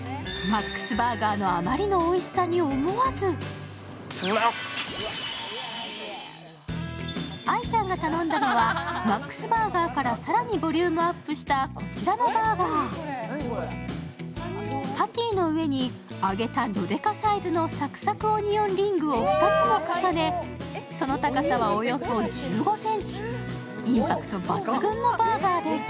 ＭａｘＢｕｒｇｅｅのあまりのおいしさに思わず愛ちゃんが頼んだのはＭａｘバーガーから更にボリュームアップしたこちら、パティの上に揚げたドデカサイズのサクサクオニオンリングを２つも重ね、その高さはおよそ１５ｃｍ、インパクト抜群のバーガーです。